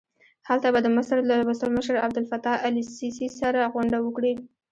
هلته به د مصر له ولسمشر عبدالفتاح السیسي سره غونډه وکړي.